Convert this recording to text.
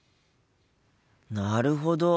なるほど！